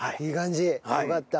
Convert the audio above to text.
よかった。